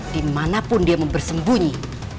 dimanapun dia mau bersembunyi